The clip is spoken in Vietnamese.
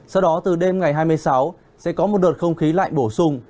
sau đó từ đêm ngày hai mươi sáu sẽ có một đợt không khí lạnh bổ sung